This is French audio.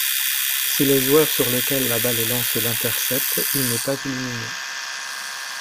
Si le joueur sur lequel la balle est lancée l'intercepte, il n'est pas éliminé.